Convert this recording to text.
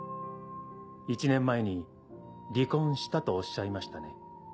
１年前に離婚したとおっしゃいましたね。